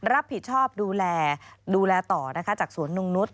รับผิดชอบดูแลต่อจากสวนหนุ่มนุษย์